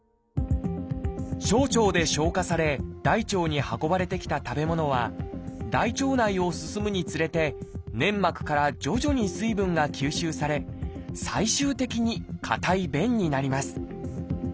小腸で消化され大腸に運ばれてきた食べ物は大腸内を進むにつれて粘膜から徐々に水分が吸収され最終的に硬い便になります。